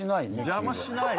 邪魔しない。